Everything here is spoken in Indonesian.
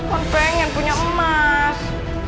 kan pengen punya emas